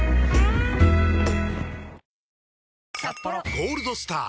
「ゴールドスター」！